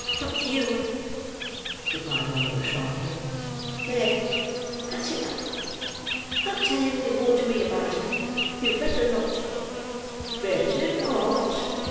"Not you," replied Oliver, sharply. "There; that's enough. Don't say anything more to me about her; you'd better not!" "Better not!"